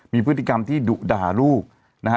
มีพฤติกรรมที่ดุด่าลูกนะฮะ